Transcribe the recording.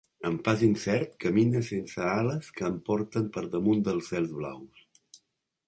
Amb pas incert camine sense ales que em porten per damunt dels cels blaus.